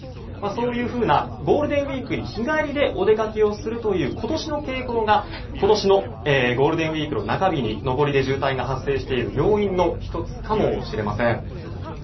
そういうふうなゴールデンウィークに日帰りでお出かけをするという今年の傾向が今年のゴールデンウィークの中日に上りで渋滞が発生している要因の１つかもしれません。